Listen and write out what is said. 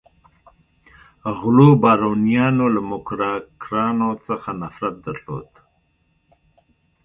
غلو بارونیانو له موکراکرانو څخه نفرت درلود.